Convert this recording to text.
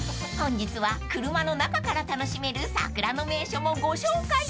［本日は車の中から楽しめる桜の名所もご紹介］